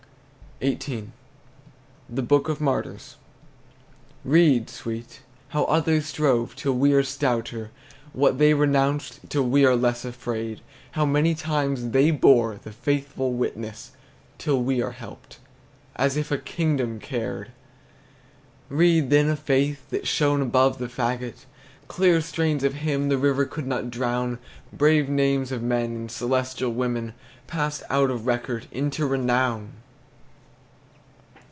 XVIII. THE BOOK OF MARTYRS. Read, sweet, how others strove, Till we are stouter; What they renounced, Till we are less afraid; How many times they bore The faithful witness, Till we are helped, As if a kingdom cared! Read then of faith That shone above the fagot; Clear strains of hymn The river could not drown; Brave names of men And celestial women, Passed out of record Into renown!